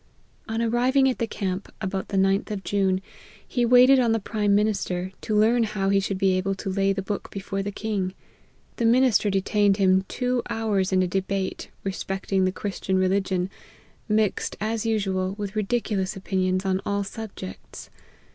On arriving at the camp about |Jie 9th of June, he waited on the prime minister, to learn how he should be able to lay the book before the king. The minister detained him two hours in a debate respecting the Christian religion, mixed, as usual, with ridiculous opinions on all subjects.